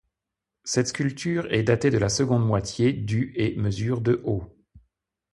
Cette sculpture est datée de la seconde moitié du et mesure de haut.